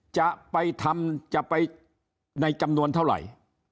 จะไปทำจะไปในจำนวนเท่าไหร่